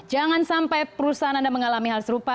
jangan sampai perusahaan anda mengalami hal serupa